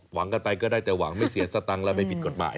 หวังกันไปก็ได้แต่หวังไม่เสียสตังค์และไม่ผิดกฎหมาย